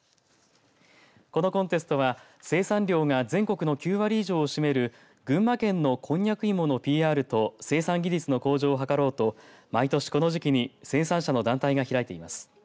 このコンテストは生産量が全国の９割以上を占める群馬県のこんにゃく芋のＰＲと生産技術の向上を図ろうと毎年この時期に生産者の団体が開いています。